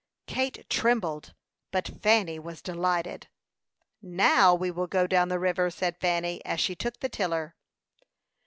Kate trembled, but Fanny was delighted. "Now we will go down the river," said Fanny, as she took the tiller.